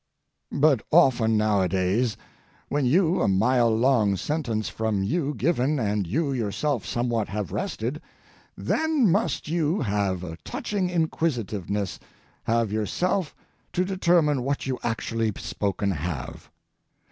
But often nowadays, when you a mile long sentence from you given and you yourself somewhat have rested, then must you have a touching inquisitiveness have yourself to determine what you actually spoken have.